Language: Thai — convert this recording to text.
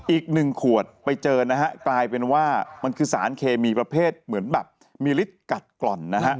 อีกหนึ่งขวดไปเจอนะฮะกลายเป็นว่ามันคือสารเคมีประเภทเหมือนแบบมีฤทธิ์กัดกล่อนนะฮะ